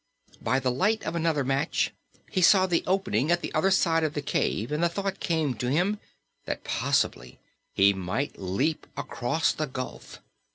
By the light of another match he saw the opening at the other side of the cave and the thought came to him that possibly he might leap across the gulf.